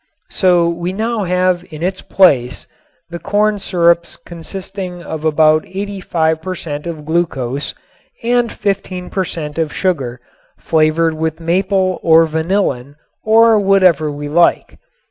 So we now have in its place the corn syrups consisting of about 85 per cent. of glucose and 15 per cent. of sugar flavored with maple or vanillin or whatever we like.